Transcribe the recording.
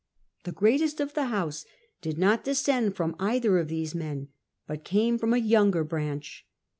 The greatest of the house did not descend from either of these men, but came from a younger branch.